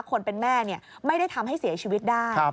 คนเป็นแม่ไม่ได้ทำให้เสียชีวิตได้